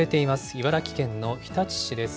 茨城県の日立市です。